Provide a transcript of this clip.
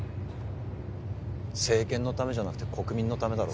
政権のためじゃなくて国民のためだろ